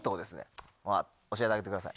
教えてあげてください。